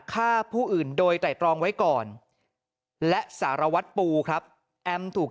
ฆ่าผู้อื่นโดยไตรตรองไว้ก่อนและสารวัตรปูครับแอมถูก